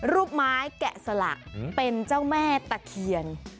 รูปไม้แกะสลักเป็นเจ้าแม่ตะเคียน